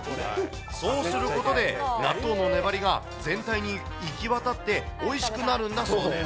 そうすることで、納豆の粘りが全体に行き渡って、おいしくなるんだそうです。